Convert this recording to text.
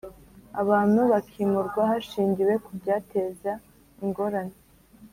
Abantu bakimurwa hashingiwe ku byateza ingorane